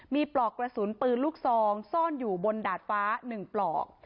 มีปลอกกระสุนปืนลูกซองซ่อนอยู่บนดาดฟ้า๑ปลอก